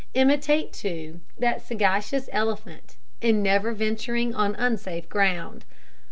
Imitate, too, that sagacious elephant, in never venturing on unsafe ground.